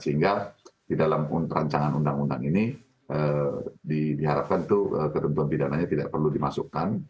sehingga di dalam rancangan undang undang ini diharapkan itu ketentuan pidananya tidak perlu dimasukkan